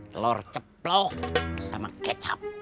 telur ceplok sama kecap